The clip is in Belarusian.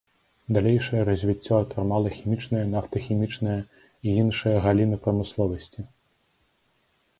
Далейшае развіццё атрымала хімічная, нафтахімічная і іншыя галіны прамысловасці.